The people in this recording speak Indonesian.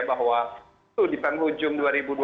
bahwa itu di penghujung dua ribu dua puluh